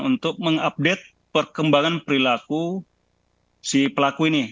untuk mengupdate perkembangan perilaku si pelaku ini